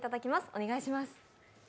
お願いします。